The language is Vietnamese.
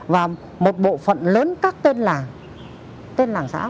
và một bộ phận lớn các tên làng tên làng xã